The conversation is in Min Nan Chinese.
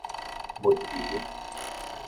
物流